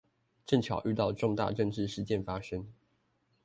正巧遇到重大政治事件發生